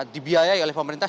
dibiayai oleh pemerintah